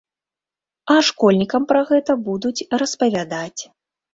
А школьнікам пра гэта будуць распавядаць.